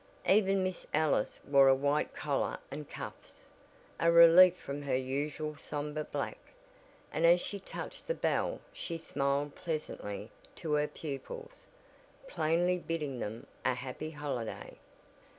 Even Miss Ellis wore a white collar and cuffs, a relief from her usual somber black, and as she touched the bell she smiled pleasantly to her pupils, plainly bidding them a happy holiday.